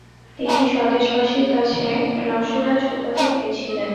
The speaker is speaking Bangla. তিনি স্বদেশবাসীর কাছে "রসরাজ" উপাধি পেয়েছিলেন।